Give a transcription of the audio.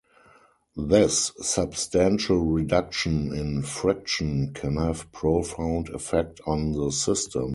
This substantial reduction in friction can have a profound effect on the system.